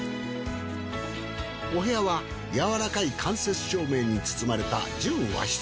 お部屋はやわらかい間接照明に包まれた純和室。